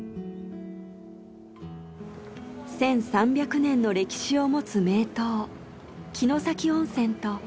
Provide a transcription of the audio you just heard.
１３００年の歴史を持つ名湯城崎温泉と。